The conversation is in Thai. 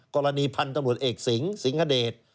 กรณีพันตำรวจเอกสิงฮเดช